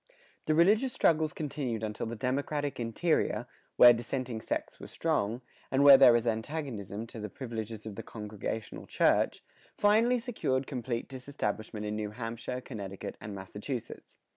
[112:2] The religious struggles continued until the democratic interior, where dissenting sects were strong, and where there was antagonism to the privileges of the congregational church, finally secured complete disestablishment in New Hampshire, Connecticut, and Massachusetts.